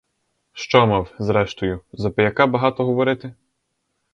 Що мав, зрештою, за пияка багато говорити?